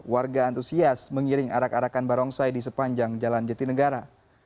warga antusias mengiring arak arakan barongsai di sepanjang jalan jatinegara